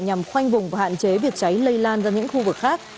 nhằm khoanh vùng và hạn chế việc cháy lây lan ra những khu vực khác